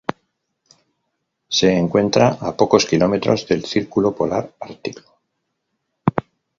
Se encuentra a pocos kilómetros del círculo polar ártico.